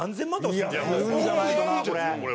するんじゃないかなこれ。